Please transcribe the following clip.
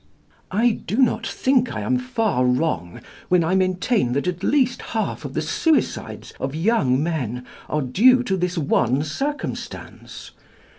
"I do not think I am far wrong when I maintain that at least half of the suicides of young men are due to this one circumstance.